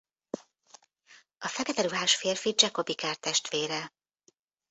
A Fekete ruhás férfi Jacob ikertestvére.